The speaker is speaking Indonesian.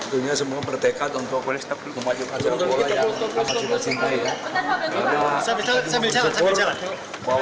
dunia semua berdekat untuk kemajuan bola